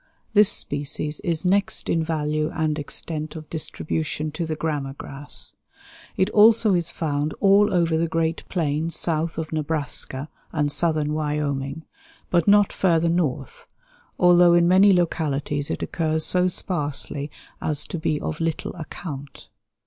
This species is next in value and extent of distribution to the grama grass. It also is found all over the great plains south of Nebraska and southern Wyoming, but not further north, although in many localities it occurs so sparsely as to be of little account.